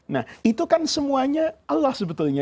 nah itu kan semuanya allah sebetulnya